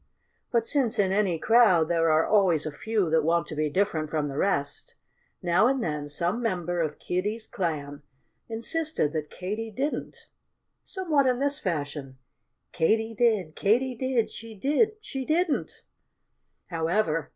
_ But since in any crowd there are always a few that want to be different from the rest, now and then some member of Kiddie's clan insisted that Katy didn't somewhat in this fashion: _Katy did, Katy did; she did, she didn't!